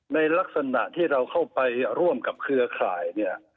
ในลักษณะที่เราเข้าไปร่วมกับเครือข่ายเนี่ย